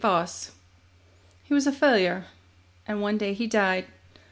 COMPASSION HE was a failure, and one day he died.